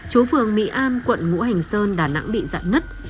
chú phường mỹ an quận ngũ hành sơn đà nẵng bị dạn nứt